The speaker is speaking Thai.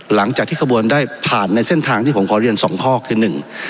หลังจากที่ขบวนได้ผ่านในเส้นทางที่ผมขอเรียน๒ข้อคือ๑